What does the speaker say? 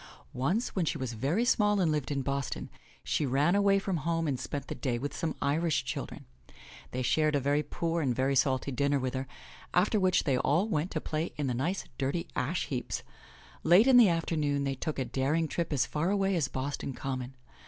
Once, when she was very small and lived in Boston, she ran away from home and spent the day with some Irish children. They shared a very poor and very salty dinner with her, after which they all went to play in the nice, dirty, ash heaps. Late in the afternoon they took a daring trip as far away as Boston Common.